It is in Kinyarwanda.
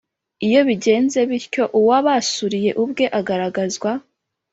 lyo bigenze bityo uwabasuriye ubwe agaragazwa